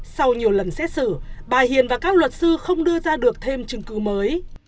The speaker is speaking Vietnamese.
sau nhiều lần xét xử bà hiền và các luật sư không đưa ra được thêm chứng cứ mới